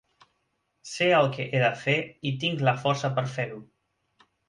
Sé el que he de fer i tinc la força per fer-ho.